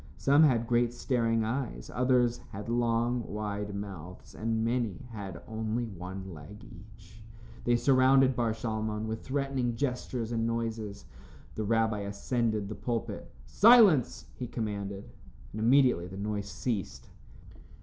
Some had great staring eyes, others had long wide mouths, and many had only one leg each. They surrounded Bar Shalmon with threatening gestures and noises. The rabbi ascended the pulpit. "Silence!" he commanded, and immediately the noise ceased.